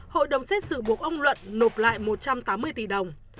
hội đồng xét xử buộc ông luận nộp lại một trăm tám mươi tỷ đồng